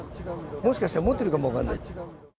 もしかして、持ってるかも分かんない。